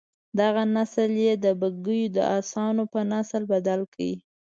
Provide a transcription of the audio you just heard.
دغه نسل یې د بګیو د اسانو په نسل بدل کړ.